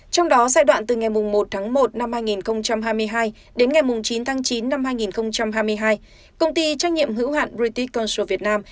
trong đó giai đoạn từ ngày một một hai nghìn hai mươi hai đến ngày chín chín hai nghìn hai mươi hai công ty trách nhiệm hiếu hoạn british cultural vietnam